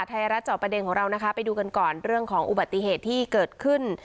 จอบประเด็นของเรานะคะไปดูกันก่อนเรื่องของอุบัติเหตุที่เกิดขึ้น